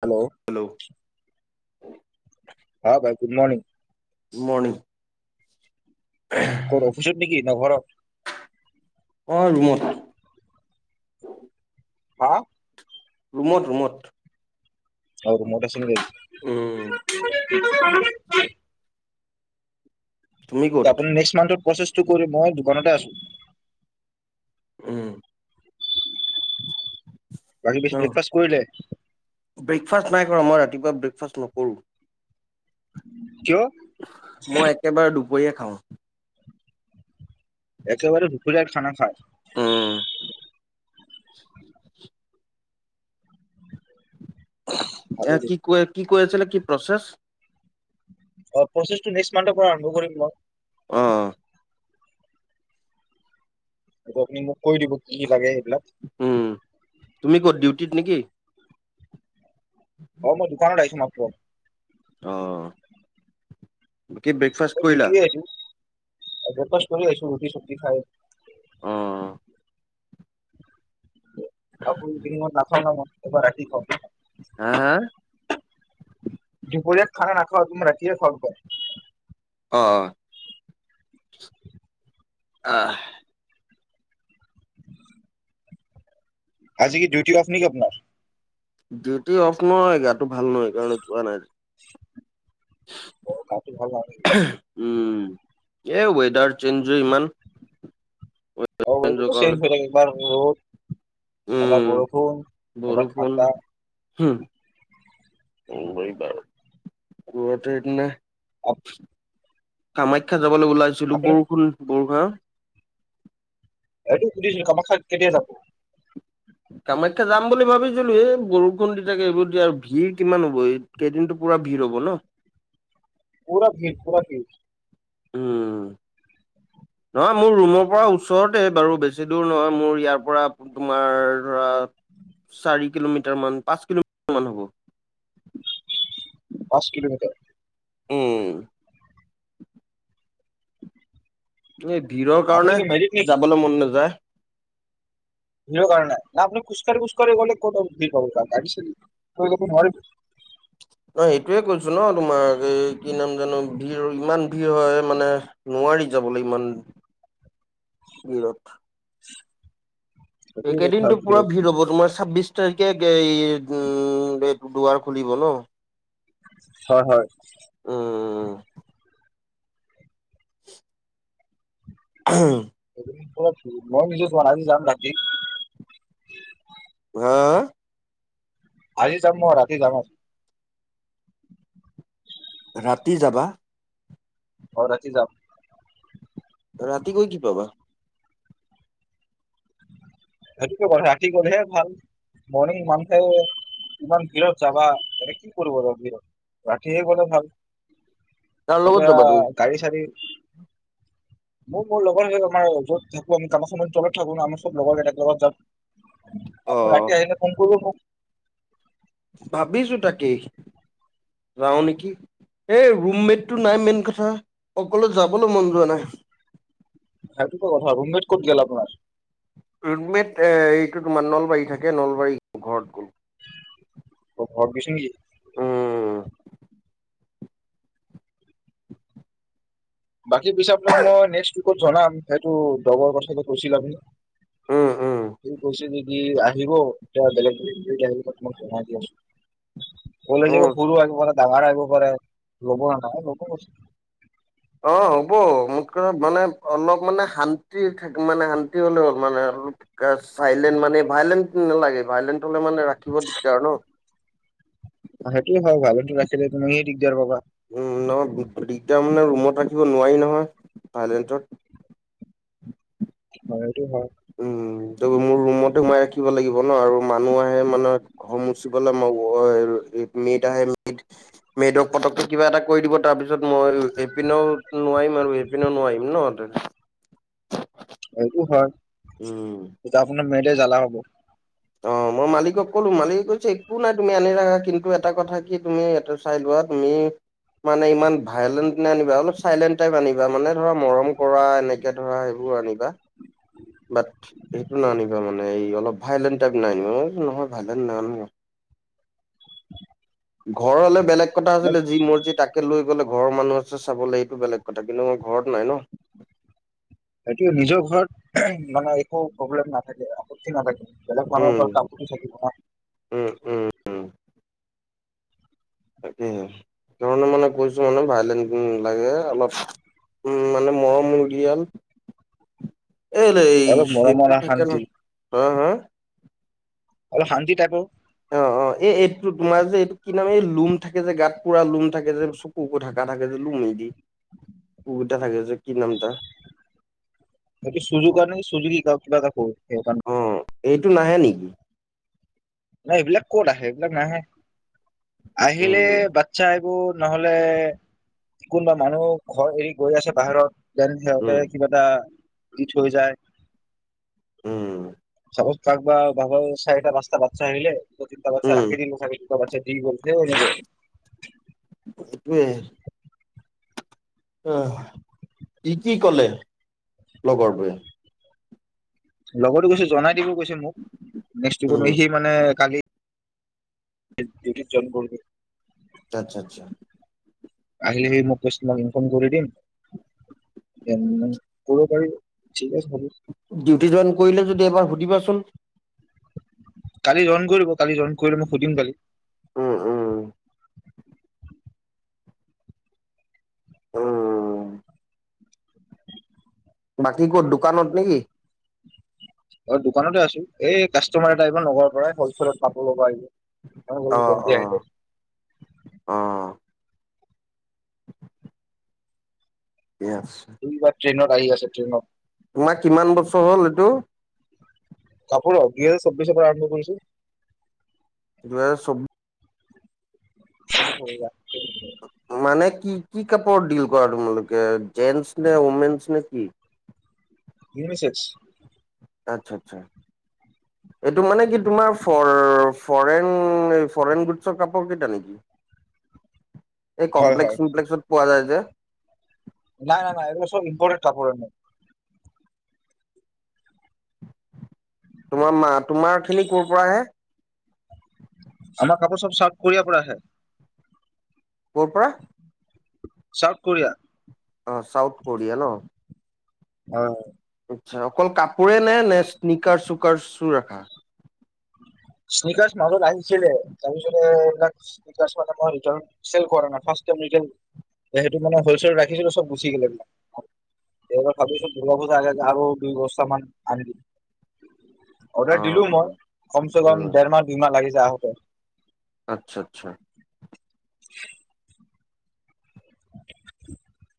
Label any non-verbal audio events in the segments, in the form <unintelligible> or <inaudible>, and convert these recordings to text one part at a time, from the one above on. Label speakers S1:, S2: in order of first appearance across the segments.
S1: Hello! হা ভাই, good morning.
S2: Morning.
S1: ক'ত অফিচত নেকি? ন' ঘৰত?
S2: অ', ৰুমত।
S1: হা
S2: ৰুমত, ৰুমত।
S1: <unintelligible>
S2: তুমি ক'ত
S1: আপুনি নেক্সট মান্থত প্ৰচেছটো কৰি, মই দোকানতে আছোঁ।
S2: উম।
S1: বাকী বেছি
S2: অ',
S1: ব্ৰেকফাষ্ট কৰিলে
S2: ব্ৰেকফাষ্ট নাই কৰা, মই ৰাত ৰাতিপুৱা ব্ৰেকফাষ্ট নকৰোঁ।
S1: কিয়
S2: মই একেবাৰে দুপৰীয়া থ।
S1: একেবাৰে দুপৰীয়া খানা খায়।
S2: উম।
S1: ভালো
S2: এ
S1: দে
S2: কি কয় কি কৰিছিলে কি প্ৰচেছ?
S1: অ প্ৰচেছটো নেক্স মান্থৰ পৰা আৰম্ভ কৰিম
S2: অ
S1: মই। হ'ব আপুনি মোক কৈ দিব কি লাগে। এইবিলাক
S2: উম, তুমি ক'ত ডিউটিত নেকি?
S1: অ, মই দোকানত আহিছো মাত্ৰ।
S2: অ',
S1: <unintelligible> ৰুটি চব্জি খাই।
S2: অ',
S1: <unintelligible>
S2: হা হা
S1: <unintelligible> দূপৰীয়া খানা নাখাও তুমি ৰাতি খাও
S2: অ', আহ,
S1: আজি কি ডিউটি অফ নেকি আপোনাৰ?
S2: ডিউটি অফ নহয় গাটো ভাল নহয় কাৰণে যোৱা নাই।
S1: অ, গাটো ভাল নাই‌ নেকি?
S2: উম, এই ৱেডাৰ চেঞ্জো ইমান। ৱেডাৰ
S1: অ,
S2: চেঞ্জৰ
S1: ৱেডাৰটো
S2: কাৰণে
S1: চেঞ্জ হৈ থাকে ইমান ৰদ। এবাৰ
S2: উম
S1: বৰষুণ এবাৰ ঠাণ্ডা
S2: মুম্বাইৰ বাৰ গুৱাহাটীত নে? কামাখ্যা যাবলৈ ওলাইছিলো
S1: আপুনি
S2: বৰষুণ- বৰষা হা
S1: এইটো সুধিছিলো কামাখ্য কেতিয়া যাব।
S2: কামাখ্যা যাম বুলি ভাবিছিলো এই বৰষুণ দি থাকে এইবোৰ দিয়া আৰু ভিৰ কিমান হ'ব এই কেইদিনো পুৰা ভিৰ হ'ব ন।
S1: পুৰা ভিৰ - পুৰা ভিৰ।
S2: উম,
S1: <inaudible>
S2: নহয় মোৰ ৰুমৰ পৰা ওচৰতে বাৰু বেছি দূৰ নহয় মোৰ ইয়াৰ পৰা তোমাৰ ধৰা চাৰি কিলোমিটাৰ মান, পাচ কিলোমিটাৰ মান হ'ব।
S1: পাচ কিলোমিটাৰ।
S2: উম, এই ভিৰৰ
S1: আপুনি
S2: কাৰণে
S1: কি মেৰিট নেকি
S2: যাবলৈ মন নাযায়।
S1: ভিৰৰ কাৰণে অ, আপুনি খোজকাঢ়ি - খোজকাঢ়ি গলে ক'ত ভিৰ পাব। <inaudible>
S2: অ, সেইটোয়ে কৈছো ন তোমাৰ এই কি নাম জানো। ভিৰ ইমান ভিৰ হয় মানে নোৱাৰি যাবলৈ ইমান ভিৰত।
S1: সেইটোৱে কথা
S2: এইকেইদিনটো পুৰা
S1: ভিৰত
S2: ভিৰ হ'ব তোমাৰ ছাব্বিশ তাৰিখে উম, দুৱাৰ খুলিব ন।
S1: হয় - হয়।
S2: উম, <inaudible> উম,
S1: মই নিজে চোন আজি যাম ৰাতি।
S2: হা
S1: আজি যাম মই ৰাতি যাম অ,
S2: ৰাতি যাবা।
S1: অ, ৰাতি যাম।
S2: ৰাতি গৈ কি পাবা।
S1: ৰাতি গলেহে ভাল মৰ্ণিং ইমান খ ইমান ভিৰত যাবা তাতে কি কৰিব যাম ভিৰত ৰাতিহে গ'লে ভাল
S2: কাৰ লগত যাবা তুমি
S1: তেতিয়া গাড়ী চাড়ী
S2: <inaudible>
S1: মোক মোৰ লগৰ হৈ <unintelligible> আমাৰ য'ত থাকো আমি কামৰ সময় তলত থাকো ন আমাৰ সব লগৰ কেইটাক লগত জাপ,
S2: অ
S1: আপু ৰাতি আহিলে ফোন কৰিব মোক।
S2: ভাবিছো তাকেই যাওঁ নেকি? এই ৰুমমেটটো নাই মেইন কথা অকলে যাবলৈ মন যোৱা নাই।
S1: সেইটো কথা ৰোমমেট ক'ত গে'ল আপোনাৰ?
S2: ৰৰুটমেট এইটো তোমাৰ নলবাৰী থাকে নলবাৰী ঘৰত গ'ল।
S1: অ', ঘৰ গৈছে নেকি?
S2: উম।
S1: বাকী পিছে আপোনাক মই নেক্স উইকত জনাম সেইটো দগৰ কথাটো কৈছিল আপুনি।
S2: উম উম
S1: ত কচি দি কি আহিব <unintelligible> বেলেগ <unintelligible> বলে যে
S2: উম
S1: সৰু আহিব পাৰে ডাঙৰ আহিব পাৰে ল'ব নে নাই ল'ব
S2: অ হ'ব মোঠ কথা মানে অলপ মানে শান্তি থাক মানে শান্তি হলে হ'ল মানে। চাইলেণ্ট মানে ভাইলেণ্ট নালাগে, ভাইলেণ্ট হ'লে মানে ৰাখিব দিগদাৰ ন
S1: সেইটো হ ভালটো ৰাখিলে তুমি সি দিগদিয়াৰ পাবা।
S2: উম নহয় দিগটাৰ মানে ৰুমত ৰাখিব নোৱাৰি নহয় ভাইলেন্টত
S1: <unintelligible> হয় এইটো হয়
S2: উম ত মোৰ ৰুমত সোমাই ৰাখিব লাগিব ন আৰু মানুহ আহে মানে <unintelligible> মেদ আহে মেদ, মেদ পতককে কিবা এটা কৰি দিব তাৰপিছত ম ম এপিনেও নোৱাৰিম আৰু এপিনেও নোৱাৰিম ন।
S1: এইটো হয়
S2: উম
S1: এতিয়া আপোনাৰ মেতে জ্বালা হ'ব।
S2: অ
S1: <unintelligible>
S2: মই মালিকক ক'লো মালিকে কৈছে একো নাই তুমি আনি ৰাখা কিন্তু এটা কথা কি তুমি ইয়াতে চাই লোৱা তুমি মানে ইমান ভাইলেন্ট নানিবা অলপ চাইলেণ্ট টাইপ আনিবা মানে ধৰা মৰম কৰা এনেকে ধৰা এইবোৰ কুকুৰ আনিবা? বাট সেইটো নানিবা মানে অলপ ভাইলেণ্ট টাইপ নানিব অ', নহয় ভাইলেণ্ট নাই অনা।
S1: <unintelligible>
S2: ঘৰ হ'লে বেলেগ কথা আছিলে যি মৰ্জি তাকে লৈ গ'লে ঘৰৰ মানুহ আছে চাবলৈ সেইটো বেলেগ কথা, কিন্তু মই ঘৰত নাই ন।
S1: সেইটো নিজৰ ঘৰত মানে একো প্ৰব্লেম নাথাকে আপত্তি নাথাকে, বেলেগ মানুহৰ
S2: উম
S1: ঘৰত কাপোৰত থাকিব ন'।
S2: উম উম তাকণে ধৰণৰ মানে কৈছো মানে ভাইলেন লাগে অলপ। উম মানে মহ মূৰ্গিয়ান।
S1: <unintelligible>
S2: এই এই
S1: অলপ মৰমৰ
S2: সেইবোৰ
S1: আৰু
S2: থাকে
S1: শান্তি
S2: ন' হা-হা
S1: অলপ শান্তি টাইপো
S2: অ'অ'এই এইটো তোমাৰ যে এই। কি নাম এই লোম থাকে যে গাত পুৰা লোম থাকে যে চকুবোৰ ঢাকা থাকে যে লুমেদি কুকোটা থাকে যে কি নাম তাৰ।
S1: হয় সুযোগ কাৰ নে কি সুযু কি ক কৰ সণ
S2: অ এইটো নাহে নেকি?
S1: নাই এইবিলাক ক'ত আহে এইবিলাক নাহে আহিলে
S2: উম
S1: বাচ্ছা এইবোৰ। নহ'লে কোনবা মানুহ ঘৰ এৰি গৈ আছে বাহিৰত যেন সিহঁতে
S2: উম
S1: কিবা এটা দি থৈ যায়
S2: উম।
S1: ব কাক বা ভাব চাৰিটা পাঁচতা বাচ্ছা আহিলে তই তিনটা বাচ্ছা
S2: উম
S1: ৰাখি দিলি চাৰি। <unintelligible>
S2: এইটোৱে অহ কি কি ক'লে লগৰটোৱে
S1: লগতো কৈছো জনাই দিব কৈছে, মোক নেক্স টিৰিপ
S2: উম
S1: সি মানে কালি জন কৰ
S2: টেন চেন ছা।
S1: আহিলে সেই মোক কৈছিলাং ইনফৰ্ম কৰি দিম। এন নং ক'ব পাৰিব ঠিক আছ
S2: ডিউটি জইন কৰিলে যদি এবাৰ সুধিবাচোন?
S1: কালি জইন কৰিব কালি জইন কৰিলে মই সুধিম কালি।
S2: উম উম। উম‌। বাকী ক'ত দোকানত নেকি?
S1: অ দোকানতে আছো, এই কাষ্টমাৰ এটা আহিগল নগৰৰ পৰাই সজ ষ্টোৰত কাপোৰ লব আহিব, অ অলপ জল্দি আহিব।
S2: অ কে আছে।
S1: সি কিবা ট্ৰেইনত আহি আছে ট্ৰেইনত।
S2: তোমাৰ কিমান বছৰ হ'ল, এইটো?
S1: কাপোৰৰ বিয়েচ ছব্বিশৰ পৰা আৰম্ভ কৰিছো।
S2: দুইহেজাৰ ছব্ব
S1: <unintelligible> পইবা।
S2: মানে কি কি কাপোৰ ডিল কৰা তোমালোকে জেন্টচ নে, ও'মেনচ নে কি?
S1: ইউনিছেক্স।
S2: আচ্ছা আচ্ছা।
S1: উ
S2: এইটো মানে কি তোমাৰ ফৰ ফৰেন, ফৰেন গুডছৰ কাপোৰ কেইটা নেকি?
S1: <inaudible>
S2: এই কমপ্লেক্স
S1: হয়
S2: চমপ্লেক্সত পোৱা যায় যে?
S1: নাই নাই নাই এইবো চব ইম্পৰটেন কাপোৰ
S2: তোমাৰ মা, তোমাৰ খিনি ক'ৰ পৰা আহে?
S1: আমাৰ কাপোৰ সব চাউথ কোৰিয়াৰ পৰা আহে।
S2: ক'ৰ পৰা?
S1: South Korea.
S2: অঁ চাউথ কৰিয়া ন!
S1: হয়।
S2: চা অকল কাপোৰে নে, নে স্নিকাৰ চুকাৰচু ৰাখা?
S1: স্নিকাৰ মাজত আহিছিলে। তাৰপিছতে এবিলাক স্নিকাৰচ মানে চেল কৰা নাই। ফাচ সব ৰিতেল, সে সেইটো মানে হলচেল ৰাখিছিলো চব গুচি গ'ল এইবিলাক। এইবাৰ ভাবিছো দূৰ্গাপুজা আগে আগে আৰু দুই বস্তা মান আনি দিম।
S2: অ
S1: অৰ্ডাৰ দিলো মই।
S2: অ
S1: কম চেকম
S2: উম
S1: দেৰ মাহ দুই মাহ লাগি যায় আহোঁতে।
S2: আচ্ছা আচ্ছা।
S1: উ <unintelligible> <inaudible>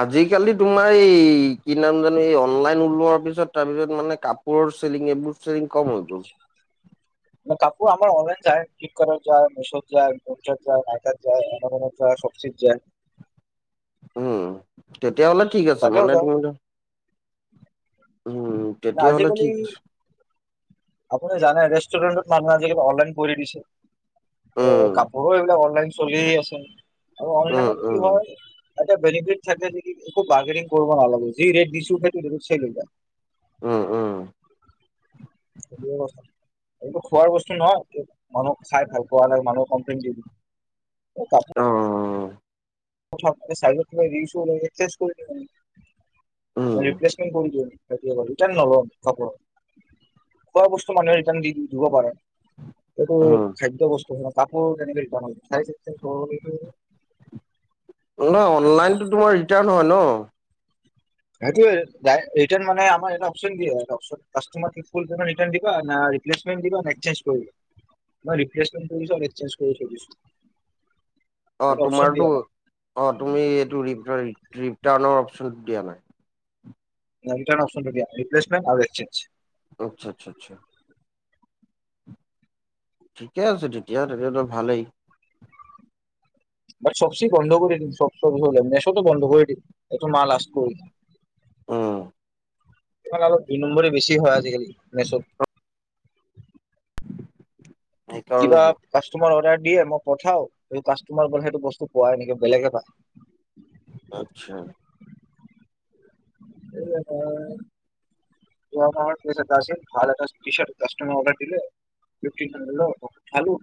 S2: আজিকালি তোমাৰ এই কি নাম জানো, এই অনলাইন ওলোৱাৰ পিছত তাৰ পিছত মানে কাপোৰ তোৰ চেলিং মোৰ চেলিং কম হৈগল।
S1: <inaudible> ম কাপোৰ আাৰ অনলাইন যায়, ফ্লিপকাৰ্টৰ যায়, মেছত যায়, <unintelligible> যায়, মাৰ্কেট যায় এমৰনত যায় সব যায়। চঠিক <unintelligible> যায়।
S2: উম তেতিয়াহলে ঠিক আছে
S1: তাতেও
S2: মানে
S1: যাওঁ
S2: ধৰি লোৱা
S1: আজিকালি
S2: ঠিক আছে।
S1: আপুনি জানে যষ্ট ৰেষ্টুৰেণ্টত মানুহ আজিকাল অনলাইন কৰি দিছে
S2: উম,
S1: কাপোৰো এইবিলাক অনলাইন চলিইয়ে আছে আৰু
S2: উম,
S1: অনলাইনত কি
S2: উম,
S1: হয় এটা বেনিফিট থাকে নেকি। বাৰগেধিং কৰিব নালাগে যি ৰেট দিছো সেইটো <unintelligible> লৈ যাহ।
S2: উম উম।
S1: এইটো খোৱাৰ বস্তু নহয়, মানুহক চাই ভাল পোৱা নাই মানুহক কমপ্লেইন দিবি। তাকে
S2: <inaudible>
S1: সঁচা চাৰিওফালে স্কেন কৰি শেষ কৰিলে।
S2: উম,
S1: ৰিপ্লেচমেণ্ট কৰি দিম ৰিটাৰ্ণ নলও কাপোৰ। খোৱা বস্তু মানুহে ৰিটাৰ্ণ দি দিব পাৰে। এইটো
S2: উম।
S1: খাদ্য বস্তু হয়, কাপোৰ কেনেকৈ দিব নোৱাৰি চাই চিন্তি লৈহে দিব পাৰি।
S2: ন অনলাইনতো তোমাৰ ৰিটাৰ্ণ হয় ন।
S1: সেইটো ৰিতাণ্ট মানে আমাক এটা অপচন দিয়ে যে হয়দিবা না। ৰিপ্লেচমেট দিবা নে এক্সচেঞ্জ কৰিবা। মই ৰিপ্লেচমেণ্ট কৰিছো আৰু এক্সচেঞ্জ কৰি থৈ দিছো।
S2: অ' তোমাৰতো অ' তুমি এইটো ৰি ৰিটাৰ্ণৰ অপচনটো দিয়া নাই।
S1: দুটা অপশন থাকে দিয়া ৰৰিপ্লেচমণ্ট আৰু একসচেঞজ
S2: আচ্ছা-আচ্ছা-আচ্ছা। ঠিকে আছে তেতিয়া তেতিয়াটো ভালেই
S1: বাত চবচে বন্ধ কৰি দিম চবচৈ হ'ল নেচোতো বন্ধ কৰি দিম এটো মাল আছে।
S2: উম,
S1: আ দুই নম্বৰে বেছি হয় আজিকালি মেচত।
S2: সেইকাৰণে
S1: কিবা
S2: হয়।
S1: কাষ্টমাৰ অডাৰ দিয়ে মই পঠাও এই কাষ্টমাৰ বোলে সেইটো বস্তু পোৱাই নেকি বেলেগে পায়।
S2: আচ্ছা।
S1: এ হয়। আ পাৰ আছিল ভাল এটা টিচাৰ্ট কাষ্টমাৰ অৰ্ডাৰ দিলে সুঠি খালি ন খালো।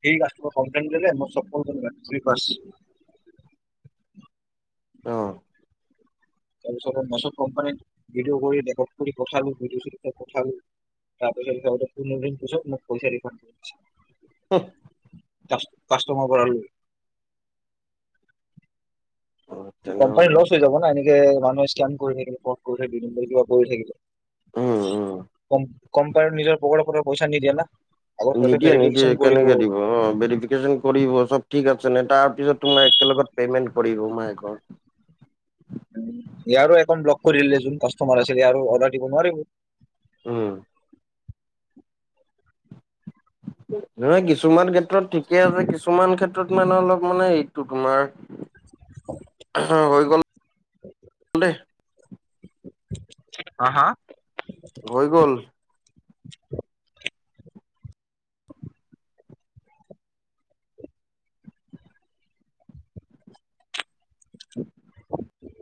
S1: সি ৰাতিপুৱা কমপ্লেন দিলে মোৰ মেত্ৰিক পাছ। <inaudible>
S2: অহ।
S1: তাৰ পিছত মেছত কোম্পানীত ভিডিঅ' কৰি ৰেকৰ্ড কৰি পঠালো ভিডিঅ পঠালো। তাৰ পাছত মোৰ পোন্ধৰ দিন পিছত মোক পইচা ৰিফাণ্ড
S2: উম'।
S1: কাষ্টমাৰ পৰা কোম্পানী
S2: তেনেহ'লে
S1: লচ হৈ যাব না এনেকে মানুহে স্কেন কৰি থাকিলে প কৰি থাকে কিবা কৰি থাকিলে।
S2: উম, উম।
S1: কোম্পানী নিজৰ পকেটত পইচা নিদিয়ে ন।
S2: নিদিয়ে নিদিয়ে কেনেকে দিব অ' ভেৰিফিকেশ্যন কৰিব চব ঠিক আছে ন' তাৰ পিছত তোমাৰ। লগত পেমেন্ট কৰিব মাইকৰ।
S1: ইয়াৰো একান্ট ব্লক কৰি কাষ্টমাৰে আছিল ইয়াৰ অৰ্ডাৰ দিব নোৱাৰিব।
S2: উম।
S1: <inaudible>
S2: নহয় কিছুমান ক্ষেত্ৰত ঠিকে আছে, কিছুমান ক্ষেত্ৰত মানে অলপ মানে এইটো তোমাৰ হৈ গ'ল দেই।
S1: হা-হা।
S2: হৈ গ'ল।
S1: <inaudible>